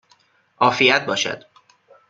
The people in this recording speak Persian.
عافیت باشد!